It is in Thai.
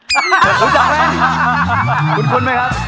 คุ้นไหมครับ